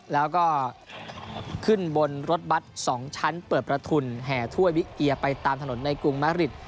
แล้วก็ขึ้นบนรถบัตร๒ชั้นเปิดประทุนแห่ถ้วยวิเอียไปตามถนนในกรุงมะริด